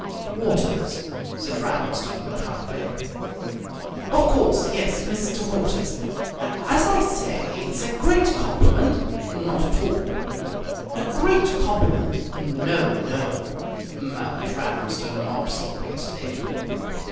"Waters," said Ramsden, humbly. "Of course, yes. Mr. Waters. As I say, it's a great compliment " "Not at all!" "A great compliment " "No, no!" murmured Ramsden obsequiously.